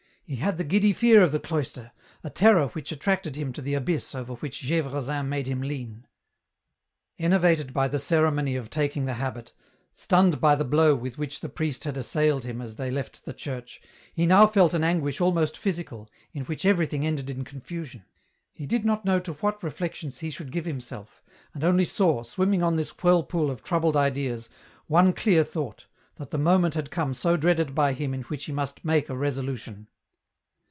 He had the giddy fear of the cloister, a terror which attracted him to the abyss over which Gdvresin made him lean. Enervated by the ceremony of taking the habit, stunned by the blow with which the priest had assailed him as they left the church, he now felt an anguish almost physical, in which everything ended in confusion. He did not know to what reflections he should give himself, and only saw, swimming on this whirlpool of troubled ideas, one clear thought, that the moment had come so dreaded by him in which he must make a resolution.